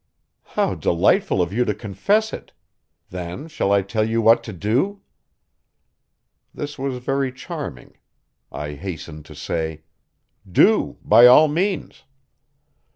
"How delightful of you to confess it! Then shall I tell you what to do?" This was very charming. I hastened to say: "Do, by all means."